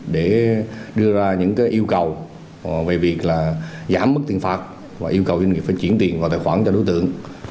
để đưa ra những yêu cầu về việc là giảm mức tiền phạt và yêu cầu doanh nghiệp phải chuyển tiền vào tài khoản cho đối tượng